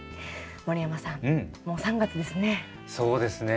森山さんもう３月ですね。